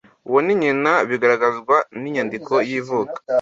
uwo ni nyina bigaragazwa n inyandiko y ivuka